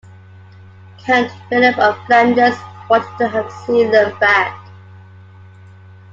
Count Philip of Flanders wanted to have Zeeland back.